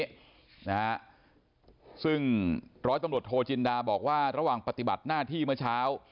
นะฮะซึ่งร้อยตำรวจโทจินดาบอกว่าระหว่างปฏิบัติหน้าที่เมื่อเช้า